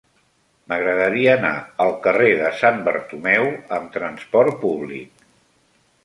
M'agradaria anar al carrer de Sant Bartomeu amb trasport públic.